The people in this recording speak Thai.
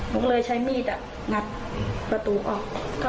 หนูก็เลยใช้มีดงัดประตูออก